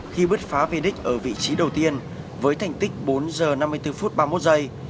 khi bứt phá về đích ở vị trí đầu tiên với thành tích bốn h năm mươi bốn m ba mươi một s